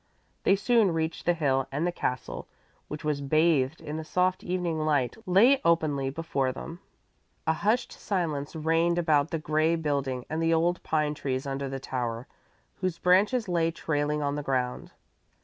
They soon reached the hill and the castle, which was bathed in the soft evening light, lay openly before them. A hushed silence reigned about the gray building and the old pine trees under the tower, whose branches lay trailing on the ground.